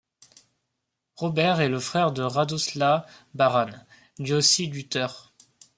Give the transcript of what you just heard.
Robert est le frère de Radosław Baran, lui aussi lutteur.